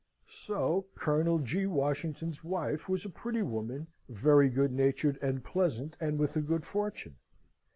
So Colonel G. Washington's wife was a pretty woman, very good natured and pleasant, and with a good fortune?